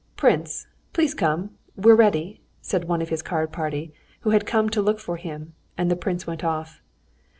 "Prince, please come, we're ready," said one of his card party, who had come to look for him, and the prince went off.